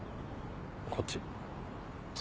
こっち。